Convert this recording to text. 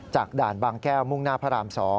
ด่านบางแก้วมุ่งหน้าพระราม๒